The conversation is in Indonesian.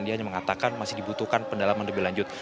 dia hanya mengatakan masih dibutuhkan pendalaman lebih lanjut